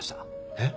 えっ？